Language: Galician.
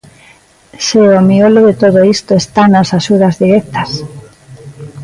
¡Se o miolo de todo isto está nas axudas directas!